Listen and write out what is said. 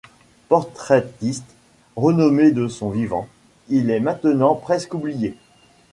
Portraitiste renommé de son vivant, il est maintenant presque oublié.